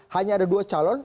hanya ada dua calon